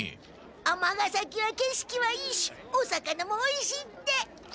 尼崎はけしきはいいしお魚もおいしいって。